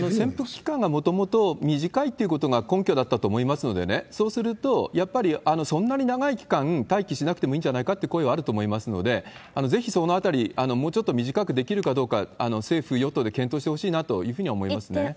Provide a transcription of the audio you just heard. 潜伏期間がもともと短いっていうことが根拠だったと思いますのでね、そうすると、やっぱりそんなに長い期間、待機しなくてもいいんじゃないかって声はあると思いますので、ぜひそのあたり、もうちょっと短くできるかどうか、政府・与党で検討してほしいなというふうには思いますね。